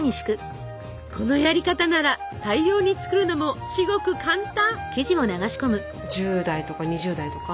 このやり方なら大量に作るのも至極簡単。